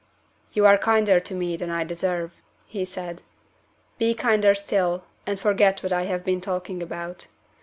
"You are kinder to me than I deserve," he said. "Be kinder still, and forget what I have been talking about.